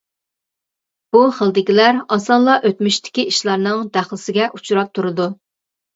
بۇ خىلدىكىلەر ئاسانلا ئۆتمۈشتىكى ئىشلارنىڭ دەخلىسىگە ئۇچراپ تۇرىدۇ.